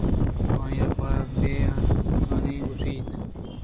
آئیءَ پہ بے اِنانی گوٛشت